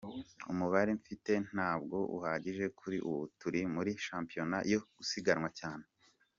Umubare mfite ntabwo uhagije kuri ubu turi muri shampiyona yo gusiganwa cyane.